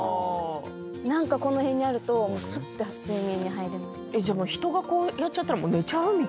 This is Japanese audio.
何かこの辺にあるとすって睡眠に入れます。